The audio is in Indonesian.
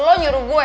lo nyuruh gue